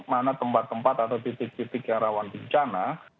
mana tempat tempat atau titik titik yang rawan bencana